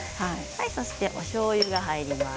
そしておしょうゆが入ります。